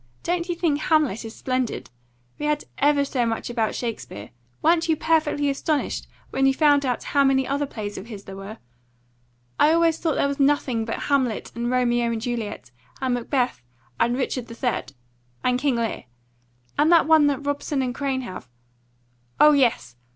Don't you think 'Hamlet' is splendid? We had ever so much about Shakespeare. Weren't you perfectly astonished when you found out how many other plays of his there were? I always thought there was nothing but 'Hamlet' and 'Romeo and Juliet' and 'Macbeth' and 'Richard III.' and 'King Lear,' and that one that Robeson and Crane have oh yes!